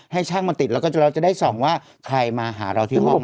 ให้ช่างมาติดแล้วก็เราจะได้ส่องว่าใครมาหาเราที่ห้อง